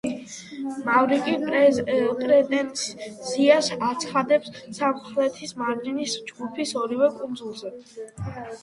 მავრიკი პრეტენზიას აცხადებს სამხრეთის მარჯნის ჯგუფის ორივე კუნძულზე.